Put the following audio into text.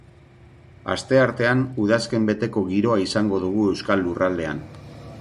Asteartean udazken beteko giroa izango dugu euskal lurraldean.